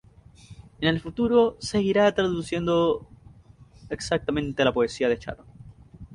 En el futuro seguirá traduciendo extensamente la poesía de Char.